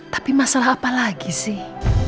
tapi masalah apa lagi sih